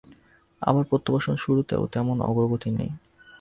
আবার প্রত্যাবাসন শুরুতেও তেমন অগ্রগতি নেই।